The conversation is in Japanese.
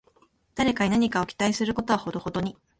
誰かに何かを期待することはほどほどに